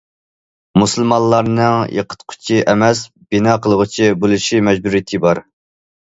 مۇسۇلمانلارنىڭ« يىقىتقۇچى» ئەمەس،« بىنا قىلغۇچى» بولۇش مەجبۇرىيىتى بار.